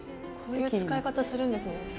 こういう使い方するんですね。